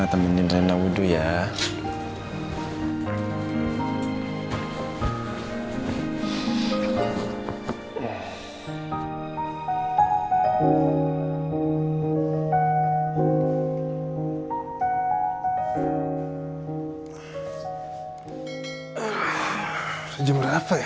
tante seorang ngechat gue semalam